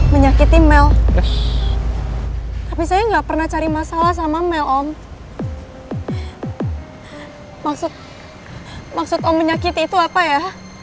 menyakiti mel terus tapi saya enggak pernah cari masalah sama mel om maksud om menyakiti itu apa ya